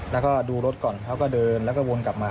แล้วก็ดูรถก่อนเขาก็เดินแล้วก็วนกลับมา